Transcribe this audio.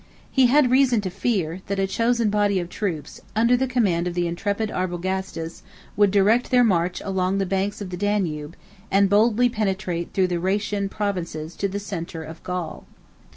He had reason to fear, that a chosen body of troops, under the command of the intrepid Arbogastes, would direct their march along the banks of the Danube, and boldly penetrate through the Rhaetian provinces into the centre of Gaul.